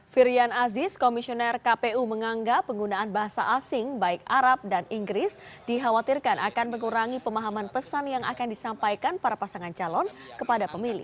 firian aziz komisioner kpu menganggap penggunaan bahasa asing baik arab dan inggris dikhawatirkan akan mengurangi pemahaman pesan yang akan disampaikan para pasangan calon kepada pemilih